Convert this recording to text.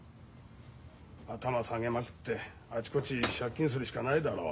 頭下げまくってあちこち借金するしかないだろう。